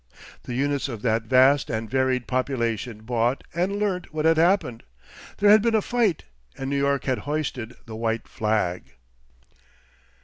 The units of that vast and varied population bought and learnt what had happened; there had been a fight and New York had hoisted the white flag.